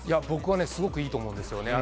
僕はすごくいいと思うんです。